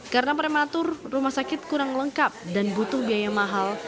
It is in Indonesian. karena prematur rumah sakit kurang lengkap dan butuh biaya mahal